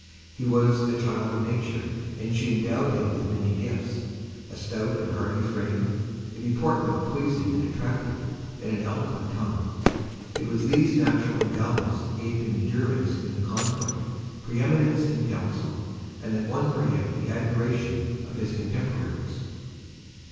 He was a child of nature, and she endowed him with many gifts a stout and hardy frame, a deportment pleasing and attractive, and an eloquent tongue. It was these natural endowments that gave him endurance in the conflict, pre eminence in council, and that won for him the admiration of his contemporaries.